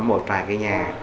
một vài cái nhà